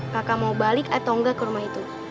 kakak mau balik atau enggak ke rumah itu